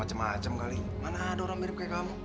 macem macem kali mana ada orang mirip kayak kamu